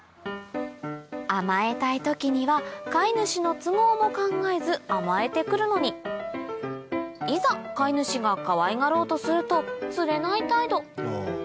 甘えたい時には飼い主の都合も考えず甘えて来るのにいざ飼い主がかわいがろうとするとつれない態度